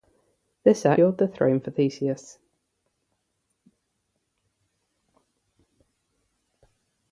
This act secured the throne for Theseus.